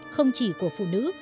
không chỉ của phụ nữ